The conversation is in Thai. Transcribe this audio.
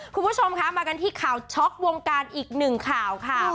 คุณผู้ชมครับมากันที่ข่าวช็อกวงการอีก๑ข่าวค่า